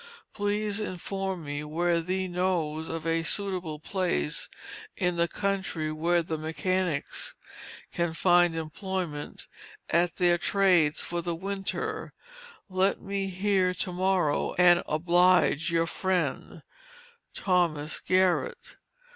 Please inform me whether thee knows of a suitable place in the country where the mechanics can find employment at their trades for the winter; let me hear to morrow, and oblige your friend, THOMAS GARRETT.